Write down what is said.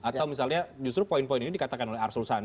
atau misalnya justru poin poin ini dikatakan oleh arsena